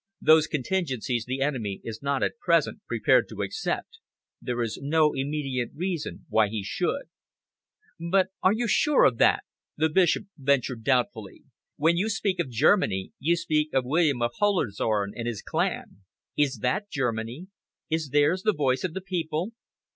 Those contingencies the enemy is not at present prepared to accept. There is no immediate reason why he should." "But are you sure of that?" the Bishop ventured doubtfully. "When you speak of Germany, you speak of William of Hohenzollern and his clan. Is that Germany? Is theirs the voice of the people?"